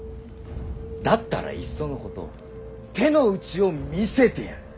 だったらいっそのこと手の内を見せてやる。